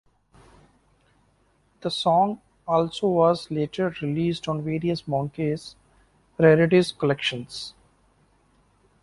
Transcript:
The song also was later released on various Monkees rarities collections.